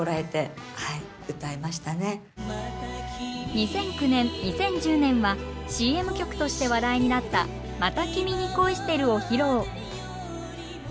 ２００９年２０１０年はＣＭ曲として話題になった「また君に恋してる」を披露。